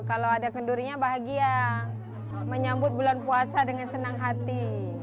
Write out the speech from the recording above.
kalau ada kendurinya bahagia menyambut bulan puasa dengan senang hati